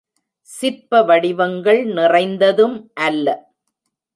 சிற்ப வடிவங்கள் நிறைந்ததும் அல்ல.